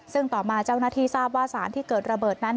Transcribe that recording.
ซึ่งต่อมาเจ้าหน้าที่ทราบว่าสารที่เกิดระเบิดนั้น